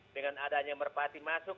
dengan adanya merpati masuk